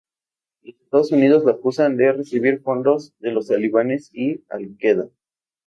Los Estados Unidos lo acusan de recibir fondos de los talibanes y Al-Queda.